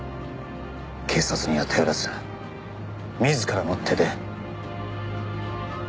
警察には頼らず自らの手で。